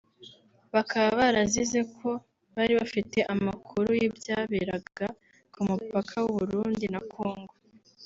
bakaba barazize ko bari bafite amakuru y’ibyaberaga ku mupaka w’u Burundi na Kongo